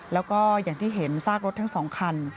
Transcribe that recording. แล้วก็อย่างที่เห็นซากรถทั้ง๒คัน